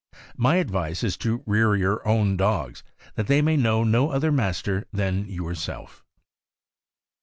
My advice is to rear your own dogs, so that they may know no other master than yourself.